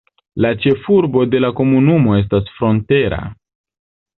La ĉefurbo de la komunumo estas Frontera.